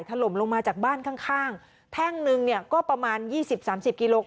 ไข่ถล่มลงมาจากบ้านข้างแท่งนึงเนี่ยก็ประมาณ๒๐๓๐กิโลกรัม